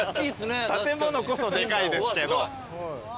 建物こそでかいですけど。